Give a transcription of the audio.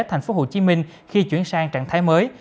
thành phố hồ chí minh khi chuyển sang trạng thái mới